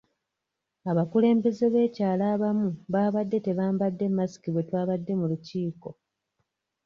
Abakulembeze b'ekyalo abamu baabadde tebambadde masiki bwe twabadde mu lukiiko.